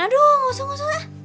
aduh gausah gausah